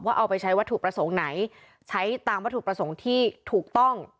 เอาไปใช้วัตถุประสงค์ไหนใช้ตามวัตถุประสงค์ที่ถูกต้อง